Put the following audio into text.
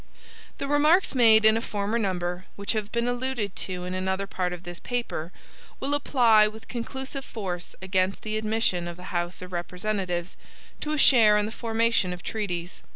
The remarks made in a former number, which have been alluded to in another part of this paper, will apply with conclusive force against the admission of the House of Representatives to a share in the formation of treaties.